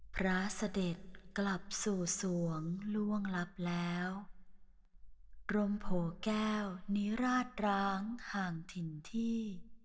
พระเสด็จกลับสู่สวงล่วงลับแล้วกรมโผแก้วนิราชร้างห่างถิ่นที่